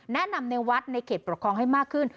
ในวัดในเขตปกครองให้มากขึ้น